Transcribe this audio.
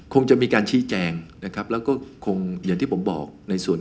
ตอนนี้จะมีถามการติดดตรวจในข้องมูลเกี่ยวกับพระอธิบายความส่งอาการของที่จะเป็นอย่างไร